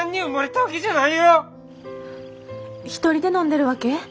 １人で飲んでるわけ？